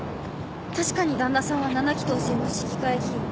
確かに旦那さんは７期当選の市議会議員。